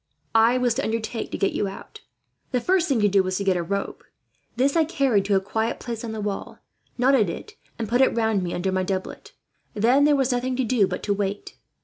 I was to undertake to get you out. "The first thing to do was to get a rope. This I carried to a quiet place on the wall, knotted it, and put it round me under my doublet. Then there was nothing to do but to wait.